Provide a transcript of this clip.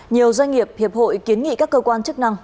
nhiều doanh nghiệp hiệp hội kiến nghị các cơ quan chức năng